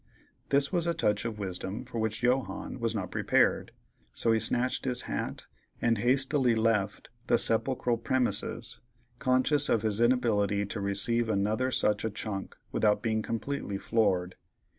This was a touch of wisdom for which Johannes was not prepared; so he snatched his hat and hastily left the sepulchral premises, conscious of his inability to receive another such a "chunk" without being completely floored.